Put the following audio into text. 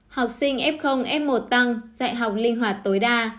học sinh f f một tăng dạy học linh hoạt tối đa